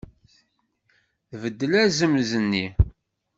Tbeddel azemz-nni.